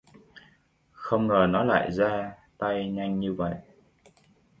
Không ngờ nó lại gia tay nhanh như vậy